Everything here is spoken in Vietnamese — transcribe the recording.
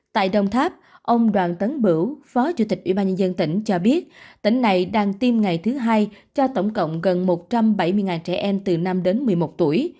tại đồng tháp ông đoàn tấn bửu phó chủ tịch ubnd tỉnh cho biết tỉnh này đang tiêm ngày thứ hai cho tổng cộng gần một trăm bảy mươi trẻ em từ năm đến một mươi một tuổi